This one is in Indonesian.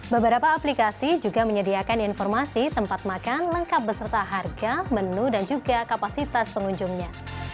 beberapa aplikasi juga menyediakan informasi tempat makan lengkap beserta harga menu dan juga kapasitas pengunjungnya